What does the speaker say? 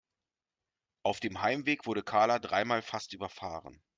Auf dem Heimweg wurde Karla dreimal fast überfahren.